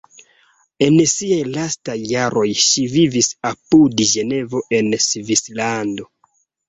En siaj lastaj jaroj ŝi vivis apud Ĝenevo en Svislando.